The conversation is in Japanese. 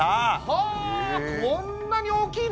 はあこんなに大きいの！？